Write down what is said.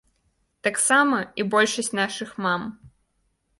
Таксама і большасць нашых мам.